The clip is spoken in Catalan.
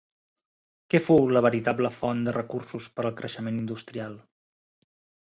Què fou la veritable font de recursos per al creixement industrial?